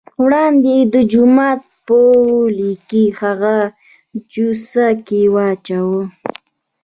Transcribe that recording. وړاندې یې د جومات په غولي کې هغه جوسه کې واچوه.